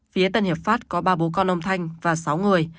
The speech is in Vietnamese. phía tân hiệp pháp có ba bố con ông thanh và sáu người